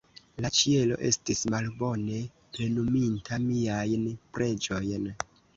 La Ĉielo estis malbone plenuminta miajn preĝojn.